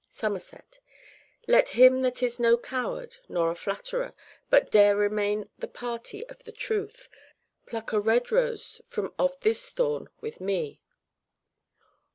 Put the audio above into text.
Somerset. Let him that is no coward, nor no flatterer, But dare maintain the party of the truth, Pluck a red rose from off this thorn with me.